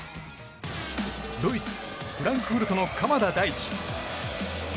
ドイツ・フランクフルトの鎌田大地。